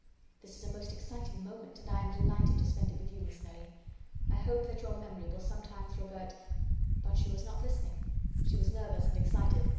this is a most exciting moment, and I am delighted to spend it with you, Miss Nelly. I hope that your memory will sometimes revert " But she was not listening. She was nervous and excited.